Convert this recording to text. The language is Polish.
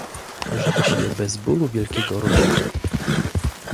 "Żebyś je bez bólu wielkiego rodziła..."